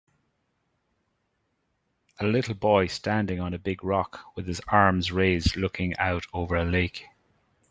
A little boy standing on a big rock with his arms raised looking out over a lake.